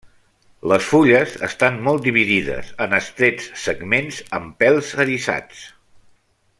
Les fulles estan molt dividides en estrets segments amb pèls eriçats.